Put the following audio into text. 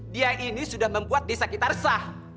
dia ini sudah membuat desa kita resah